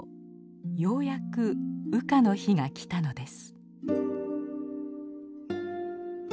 ようやく羽化の日が来たのです。